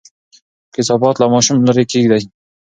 کثافات له ماشوم لرې کېږدئ.